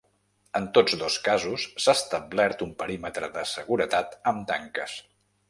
En tots dos casos s’ha establert un perímetre de seguretat amb tanques.